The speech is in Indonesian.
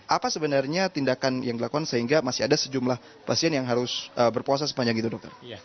apa sebenarnya tindakan yang dilakukan sehingga masih ada sejumlah pasien yang harus berpuasa sepanjang itu dokter